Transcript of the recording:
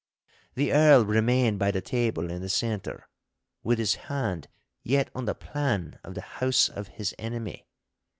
The Earl remained by the table in the centre, with his hand yet on the plan of the house of his enemy.